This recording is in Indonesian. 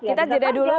kita jadi dulu